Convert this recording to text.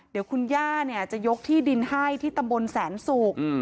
เดี๋ยวคุณย่าจะยกที่ดินให้ที่ตำบลแสนศุกร์